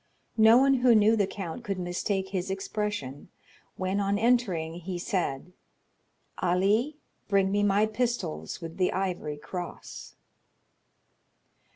No one who knew the count could mistake his expression when, on entering, he said: "Ali, bring me my pistols with the ivory cross."